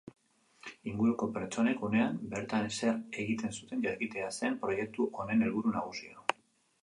Inguruko pertsonek unean bertan zer egiten zuten jakitea zen proiektu honen helburu nagusia.